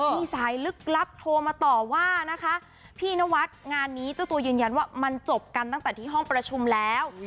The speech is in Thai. มีสายลึกลับโทรมาต่อว่านะคะพี่นวัดงานนี้เจ้าตัวยืนยันว่ามันจบกันตั้งแต่ที่ห้องประชุมแล้ว